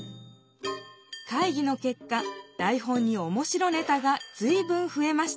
会議のけっか台本におもしろネタがずいぶんふえました。